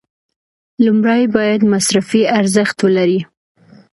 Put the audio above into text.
لومړی باید مصرفي ارزښت ولري.